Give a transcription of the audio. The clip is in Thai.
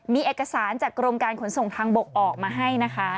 มีเอกสารจากกรมการขนส่งทางบกออกมาให้นะคะ